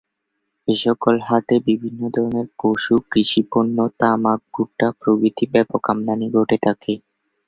এ সকল হাটে বিভিন্ন ধরনের পশু, কৃষি পণ্য, তামাক, ভুট্টা প্রভৃতি ব্যাপক আমদানী ঘটে থাকে।